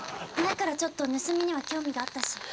前からちょっと盗みには興味があったし。